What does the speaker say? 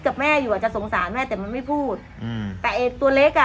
กับแม่อยู่อาจจะสงสารแม่แต่มันไม่พูดอืมแต่ไอ้ตัวเล็กอ่ะ